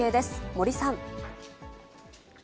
森さん。